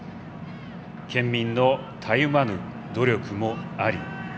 県民のたゆまぬ努力もあり